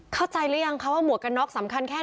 เข้าใจหรือยังคะว่าหมวกกันน็อกสำคัญแค่ไหน